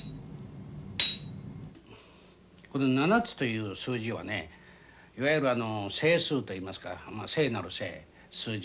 この七つという数字はねいわゆるあの聖数といいますか聖なる「聖」数字ですね。